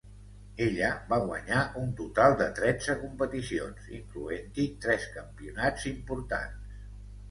Ella va guanyar un total de tretze competicions, incloent-hi tres campionats importants.